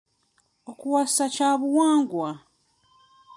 Okuwasa kya buwangwa.